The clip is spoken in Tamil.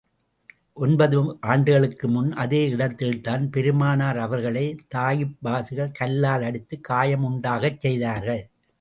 ஒன்பது ஆண்டுகளுக்கு முன், அதே இடத்தில்தான் பெருமானார் அவர்களை, தாயிப்வாசிகள் கல்லால் அடித்துக் காயம் உண்டாகச் செய்தார்கள்.